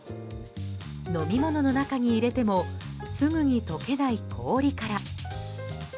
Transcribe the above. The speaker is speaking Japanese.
飲み物の中に入れてもすぐにとけない氷から。